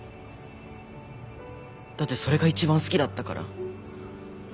だってそれが一番好きだったから。